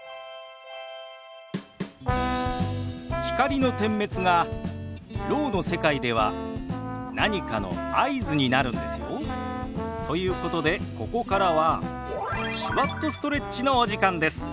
光の点滅がろうの世界では何かの合図になるんですよ。ということでここからは「手話っとストレッチ」のお時間です。